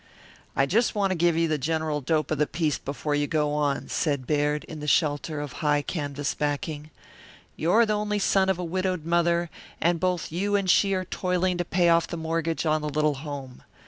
"I just want to give you the general dope of the piece before you go on," said Baird, in the shelter of high canvas backing. "You're the only son of a widowed mother and both you and she are toiling to pay off the mortgage on the little home.